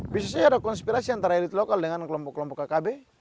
bisnisnya ada konspirasi antara elit lokal dengan kelompok kelompok kkb